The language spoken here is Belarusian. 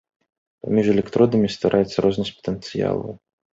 Паміж электродамі ствараецца рознасць патэнцыялаў.